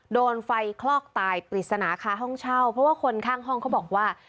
โดนไฟคลอกตายปริศนาคาห้องเช่าเพราะว่าคนข้างห้องเขาบอกว่า